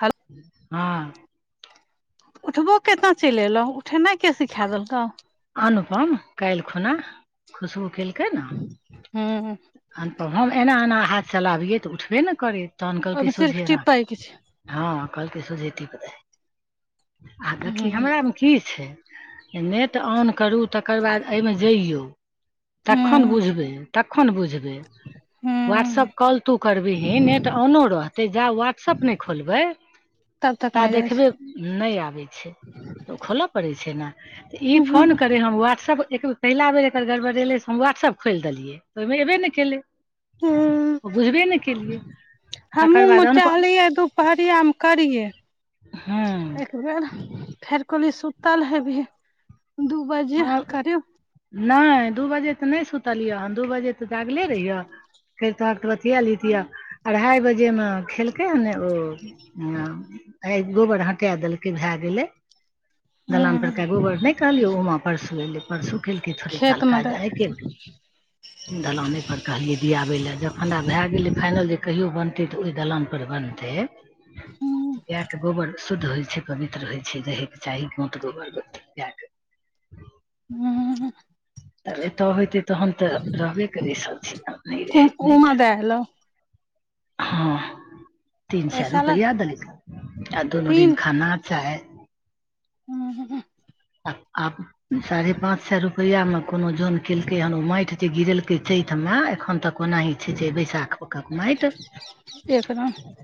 Hello हँ उठबो केना चलि अयलहुँ उठेनाइ के सिखा देलकौ अनुपम काल्हि खुना खुशबू केलकै ने ओहिमे अन तब हम एना एना हाथ चलाबियै तऽ उठबे ने करै तखन कहलकै सोझे सिर्फ एना क टिपै के छै हँ कहलकै सुझे टीप देहि आ देखी हूँ हमरा मे की छै नेट ऑन करू तकर बाद एहिमे जइयौ तखन बुझबै तखन बुझबै हुं व्हाट्सअप कॉल तू करबिही नेट ऑनो रहतै जा व्हाट्सअप नहि खोलबै तब तक ता नहि जाइ देखबे छै नहि आबै छै तऽ खोलऽ पड़ै। इ फाॅन हूँ क अरे हम व्हाट्सप एक पहिला बेर एकर गड़बड़ एलै से व्हाट्सएप खोलि देलिए ओहि मे एबे नहि कैलै बुझबे नहि केलियए हमहूँ चाहलियै दुपहरिया मे करियै एक हँ फेर कहलियी सुतल हेबही दू बजे हँ करीब नहि दू बजे तऽ नहि सुतलयै हन दू बजे तऽ जागले रहियै फेर तोहक तऽ बतिया लतिया अढ़ाई बजे मे खेलकै हने ओ ह आय दू बेर हटा देलकै भए गेलै दलान परके हूँ गोबर नहि कहलियौ ओमा परसू एयलै परसू खेलक थोड़े काल खेत मे दे काज आइके [inaudible] दलाने पर कहलियै दियाबे ले जखन भए गेलै फाइनल जे कहिो बनतै तऽ ओइ दलान पर बनते हूँ गाय के गोबर शुद्ध होय छै पवित्र होय छै रहे के चाही गोत गोबर गोत्र गायके हू तब एतऽ होते तहन तऽ रहबे करै सब चीज आब नहि रहै उमा दाय ऐलो हॅ तीन सए पैसा लए रुपया देल आ दुनो दिन खाना चाय हूँह आ आ साढ़े पांच सए रुपआ मे कोनो जोन केलकै हन ओ माटि जे गिरेलकै चैत मे एखन तक ओनाहि छै बैसाख मका माईट ह तऽ एक रंग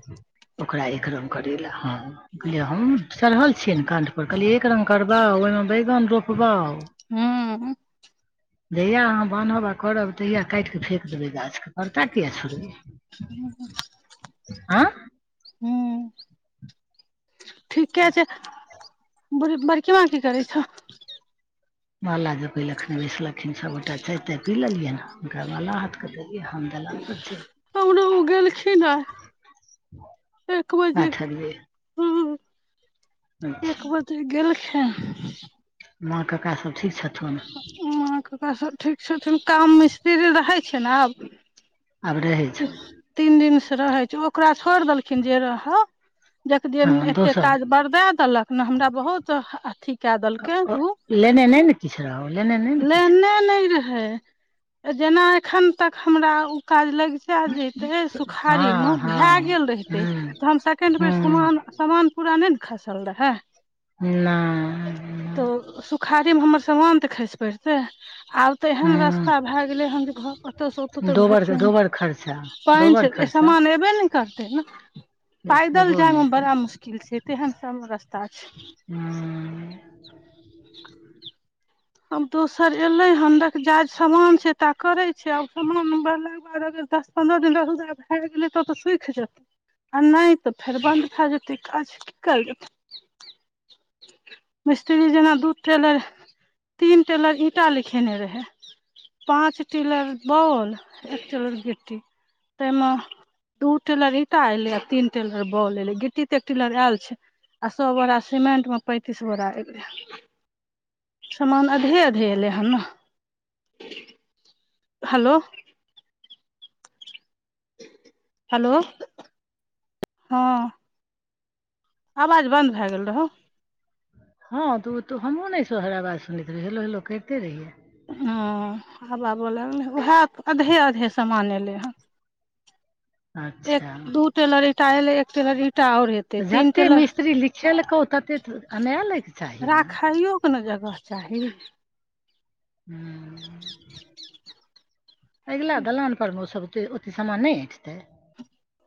ओकरा एक रंग करै लए हलिय हम चढ़ल छियै ने कण्ठ पर कहलियै एक रंग करब बाउ ओइ मे बैगन रोपबाउ हूँ जहिआ अहाँ बान्हब आ करब तहियआ काटि कऽ फेक देबै गाछके परता किया छोड़बे आ हू ठीके छै बड़ बड़की माँ की करै छ माला जपय लै अखने बैसलखिन सभगोटा चाय ताय पी लेलियनि हुनकरा माला हाथके देलियै हम हमरा ओ गेलखिन आइ [unintelligible] एक बजे पाठरियै हँ अच्छा एक बजे गेलखिन माँ कका सब ठीक छथुन माँ कका सभ ठीक छथिन काम मिस्त्री रहै छै ने आब आब रहै छौ तीन दिन से रहे छै ओकरा छोड़ देल देखिन जे रह देख दिय हँ एते दोसर काज बरदा देलक ने हमरा बहुत अथी कै दलके उ लेने नइ ने किछु रह लेने नइ ने किछु लेने नहि जेना एखन तक हमरा ओ काज लग जेतै सुखाड़ीमे हँ हँ भए गेल रहितै हूँ तऽ हम सेकेंड बेर हूँ समान सामान पूरा नहि ने खसल रहै ना तऽ सुखाड़ी मे हमर समान तऽ खसि पड़तै आब तेहन रास्ता हँ भए गेले हेन जे घर ओतय से ओत तक भरि दोबर ठेहून दोबर खर्चा पानि दोबर छै खर्चा सामान अयबे ने करतै ने पैदल एगो जाय नहि में कोइ। बड़ा मुश्किल छै तेहन सब रस्ता छै हूँ आब दोसर एले हन रख जा समान छै ता करे छै आब समान वला तकर बाद अगर दस पन्द्रह दिन रौदा आ भए गेलै तब तऽ सुखि जेतै आ नहि तऽ फेर बन्द भए जेतै काज की करल जेतै मिस्त्री जेना दू टेलर तीन टेलर ईंटा लिखेने रहै पाँच टेलर बालू एक टेलर गिट्टी ताहिमे दू टेलर ईंटा एलै आ तीन टेलर बालू एलै गिट्टी तऽ एक टेलर आयल छै आ सौ बोरा सीमेंटमे पैंतीस बोरा एलै समान अधे अधे एलै हन ने हेलो हेलो हँ आवाज बन्द भए गेल रहौ हँ तऽ ओ तऽ हमहूँ नहि तोहर आवाज सुनैत रहियौ हेलो हेलो करिते रहियै ह आब हबा बहर लागलै उएह आधे आधे समान एलै हन एक अच्छा दू टेलर ईटा एलै एक टेलर ईटा आओर एतै तऽ तीन जते टेलर मिस्त्री लिखेलकौ तते तऽ अनैय लैके चाही ने कोनो जगह चाही हू अगिला दलानपरमे ओसब ओतेक समान नहि अटतै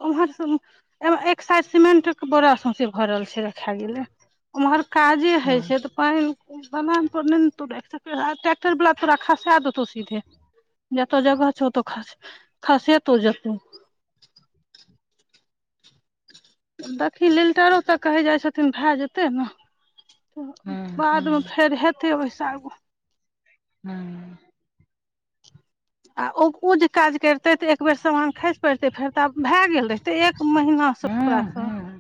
उम्हर सब एक साइड सिमेंट के बोड़ा सौंसे भरल छै रखा गेल छै उम्हर काजे होय हँ छै तऽ पानि कोन दलान पर नहि ने तूं ट्रेक्टर वाला तोरा खसा देतौ सीधे जतऽ जगह छौ ओतऽ खस खसेतौ जेतौ देखही लिल्टरो तक कहै जाइ छथिन भए जेतै ने तऽ हँ बादमे हँ फेर हेतै ओहिसँ आगू हँ आ ओ ओ जे काज करते तऽ एक बेर समान खसि पड़तै फेर तऽ आब भए गेल रहितै एक महीनासँ हँ ओकरासँ हँ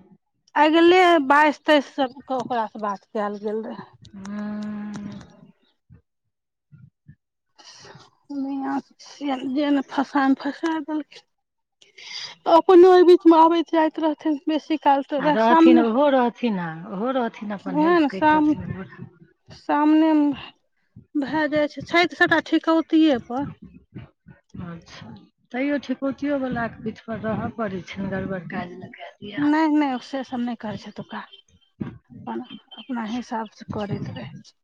आगले बाइस तेइस के ओकरासँ बात कयल गेल रहै ह्म जेन फसान फसाय देलखिन अपनो एहि बीचमे आबैत जाइत रहथिन बेसी काल तऽ आ रह रहथिन सामने ओहो रहथिन ओहो रहथिन अपन उएह हेल्प ने साम करितथिन रहथिन सामने मे भए जाय छै छै तऽ सबटा ठिकौतिये पर अच्छा तैयो ठिकौतियो वला के पीठ पर तऽ रहय पड़ैत छै ने गड़बड़ काज नहि कऽ दै नहि नहि से सब नहि करै छै ऐतौका अपन अपना हिसाबसँ करैत रहै छै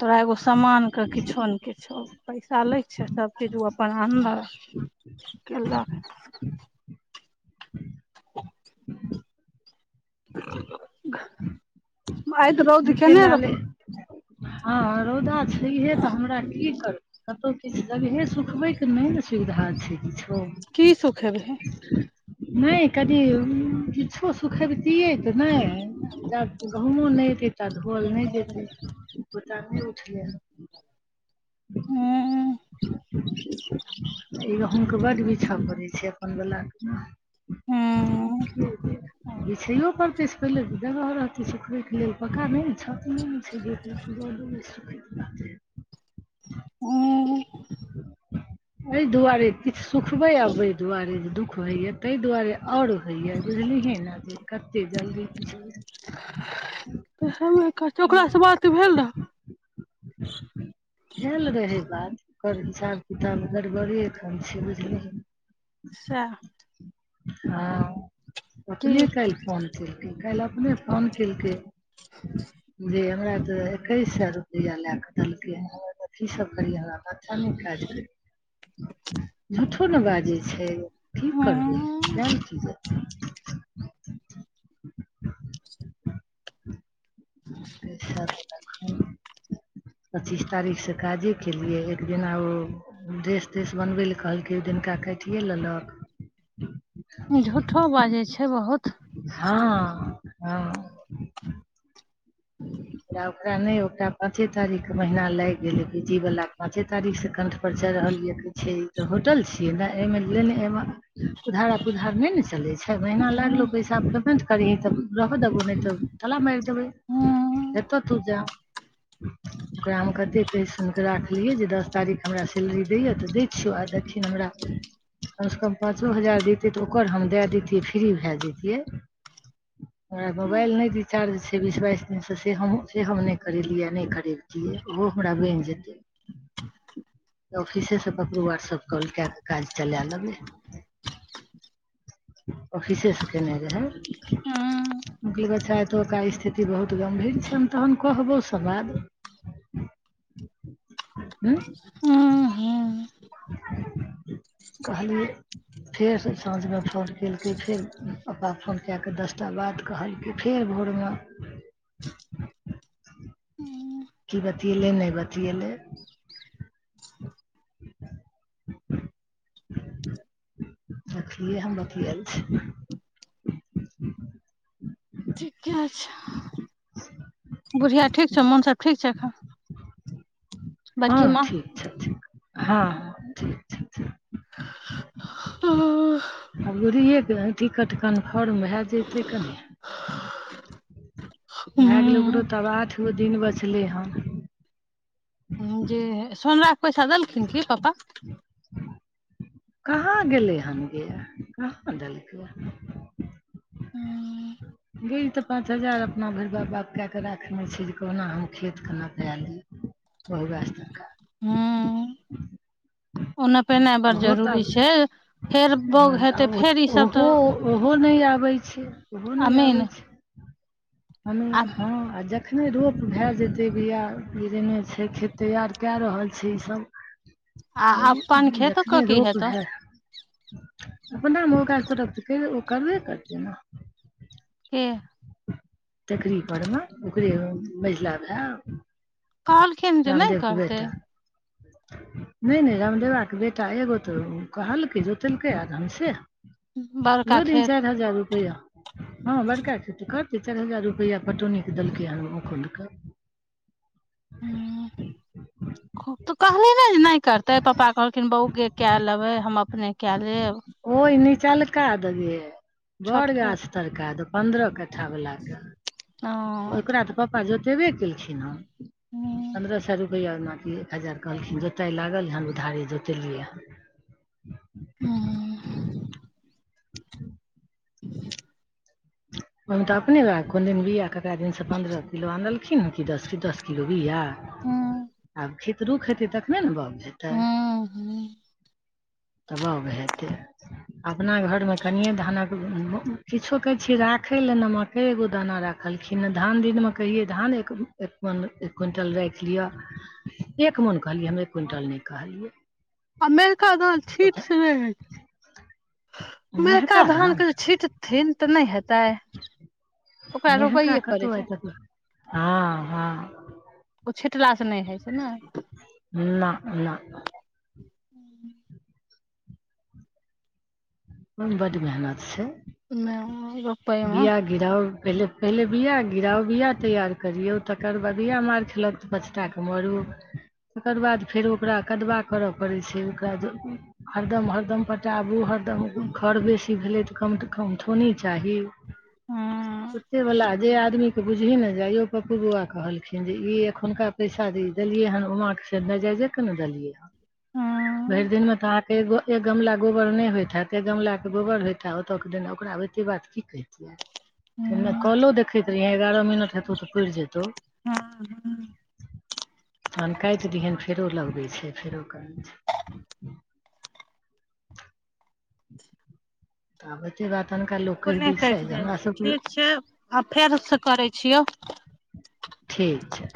तोरा एगो सामान के किछो ने किछो पैसा लै छै सभचीज ओ अपन आनलक केलक [unintelligible] आइ तऽ रौद नीक केने लाले रहौ हँ रौदा छैहे तऽ हमरा की करबै कतहु किछु जगहे सुखबैके नहि ने सुविधा छै किछो की सुखै बीहीं नहि कनि किछो सुखबतियै तऽ नहि जब गहुँमो नहि एै ता धोअल नहि जेते ई कोटा नहि उठले हँ हूँ ई गहूमके बड बिछय पड़ै छै अपन बलाके हूँ [unintelligible] बिछैयो पड़तै से पहिले जगह रहतै सुखय के लेल पका नहि ने छौ ब [unintelligible] [inaudible] ह एहि दुआरे किछु सुखबे अबहि दुआरे जे दुःख होइया तहि दुआरे आओर होइया बुझलिहै ने जे कते जल्दी [unintelligible] [inaudible] भेल रहै बात ओकर हिसाब किताब गड़बड़े एखन छी बुझलिय सॅं हँ की अपने काल्हि फोन केलकै काल्हि अपने फोन केलकै जी हमरा तऽ एकैसे रुपैआ लए क देलकै हमथी सब करियै हम माथा नहि काज कर झूठो ने बाजै छै की उ करबै कहल चीज ख पच्चीस तारीख से काजे केलियै एक दिना ओ ड्रेस त्रेस बनबै लए कहलकै ओ दिनका काटिए लेलक ह झूठो बाजै छै बहुत हँ हँ [inaudible] ओरा ओकरा नहि ओकरा पाँचे तारीखके महीना लागि गेलै बिीजी वला पाँचे तारखसँ क पर च रहल यै कहै छै ई तऽ होटल छियै ने एहिमे लेनेमे उधारा पुधार नहि ने चलै छै छओ महीना लागलौ पैसा पेमेन्ट करिही तऽ रहऽ देबौ नहि तऽ ताला मारि देबै एतऽ तू जा ओकरा हम कते कहै सुन कऽ राखलिय जे दस तारीख हमरा सैलरी दै य कमसँ कम पाँचो हजार दैतै तऽ ओकर हम दए दैतियै फ्री भए जैतियै हमरा मोबाइल नहि रिचार्ज छै बीस बाइस सँ हम से हम नहि करेलियै आ नहि करेबतियै ओहो हमरा बनि जेतै [inaudible] ऑफिसेसँ ककरो व्हाट्सअप कॉल कए कऽ काज चला लेबै [inaudible] ऑफिसेसँ केने रहैं मकल ब चे तो क स्थिति बहुत गम्भीर छैन तहन कहबो समाद हँ कहलिय फेर साँझ में फोन केल कै फेर पप्पा के फोन कए कऽ दसटा बात कहल के फेर भोर में की बतिएलै नहि बतिएलै [inaudible] देखलियै हम बतल छी ठीके छै बुढ़िया ठीक छौ मौन सब ठीक छै बड़की हाँ माँ ठीक छथीन हाँ ठीक छथीन अंगूरी टिकट कन्फर्म भए जतै कनि भए गेलै ओकरो हूँ तब आठ गो दिन बचलै हँ जे सोनरा के पैसा देलखिन की पप्पा कहाँ गेलै हेन गे कहाँ देलकै ह हँ बुझिहे तऽ पाँच हजार अपना भरि बापकऽ कऽ राखने छै, जे कहुना हम खेतके नपा ली बहु वास्ते ह ओना पहिले ओहो तऽ ह बौग तऽ हेतै फेर ई सब ओहो तऽ ओहो नहि आबै छै ओहो नहि अमीन आबै छै हम आ हँ, आ जखन एखने रोप भऽ जेतै बीआ जेरने छै, खेत तैयार कऽ रहल छै ईसभ आ अपन खेत कऽ जखने की रोप हेतौ हेतै अपना तऽ ओ करबे करतै ने हे तकरी परमे ओकरे मझिला भऽ गेलै कहलखिन जे नहि रामदेव के करतै बेटा नहि नहि रामदेवाके बेटा एगो तऽ कल्हि जोतलक एखन तऽ बड़का ओहो दिन खेत चारि हजार रुपैआ हाँ बड़का खेती करतियै चारि हजार रुपैआ पटौनीक देलकै ह ओ देलकै हुं तऽ कहलो ने जे नहि करतै पप्पा कहलखिन बौके कए लेबै हम अपने कए लेब ओहि निचलका दे गे बड़ छोटको गाछ तड़का द पन्द्रह कट्ठा बला कऽ हाँ पापा जोतेबे केलखिन हँ हूँ पन्द्रह सए रुपआ एक हजार कहलखिन जोताइ लागल हम उधारी जोतेलियै हँ ह ह ओहिमे तऽ अपने कोन दिन बीआ आनलखिन पन्द्रह किलो आनलखिन कि दस किलो बिआ हूँ आब खेत रूख रहतै, तखने ने बाग रहतै। हूँ हूँ तब बाग हेतै अपना घरमे कनिये धान राखै छी की राखै लेल ने, एक दाना राखलखिन। हँ, धान दिनमे कहियै धान क्विंटल राखि लिअ एक मोन कहलियै हँ, एक क्विंटल नहि कहलियै। आ मेहका धान छीटसँ नहि होइ छै मेहका धानके जे छीट थीन तऽ नहि हैते मेहका पड़ै कतौ छै आयत तऽ हँ-हँ ओ छीटलासँ नहि होइ छै ने। ना ना [inaudible] ओहिमे बड़ मेहनत छै [unintelligible] बिआ गिराउ पहिले-पहिले बआ गिराउ। बआ तैयार करिऔ, तकर बाद बीआ मारि देल जाइ छै पचटाके मारू [inaudible] तकर बाद फेर ओकरा कदवा करय पड़ैत छै। ओकरा जे हरदम-हरदम पटाबू। हरदम खर बेसी भेलै तऽ कम-से-कम थोड़े तऽ चाही हूँ किछु भला जे आदमी तऽ बुझिहे ने पप्पू बौआ कहलखिन जे ई एखुनका पैसा देलिअनि, ओहिसँ नजरि भर हूँ दिनमे फेर एक गमला गोबर नहि होइत तऽ एक गमलाके गोबर होतै हँ, ओतऽ देना, ओकरा होइतै। बात कहै छै हम हूँ कलो देखैत रहियै एगारह मिनट हेतौ तऽ पूरि जेतौ [inaudible] तहन काटि दहन फेरो लगबै छै फेरो करै छै [inaudible] तबत अनका लोग अपने कटि जाइ ठीक छै आ फेर से करै छियौ ठीक छै